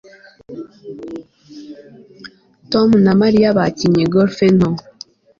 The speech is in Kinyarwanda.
Tom na Mariya bakinnye golf nto